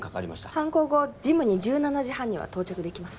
犯行後ジムに１７時半には到着できます